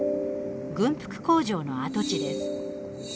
軍服工場の跡地です。